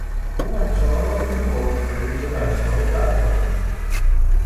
او بچهها را میخورد به ویژه بچههای بد را!